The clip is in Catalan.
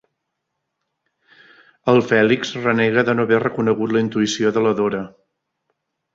El Fèlix renega de no haver reconegut la intuïció de la Dora.